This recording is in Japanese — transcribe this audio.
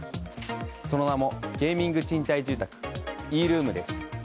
その名もゲーミング賃貸住宅ｅルームです。